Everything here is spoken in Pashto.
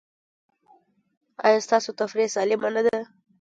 ایا ستاسو تفریح سالمه نه ده؟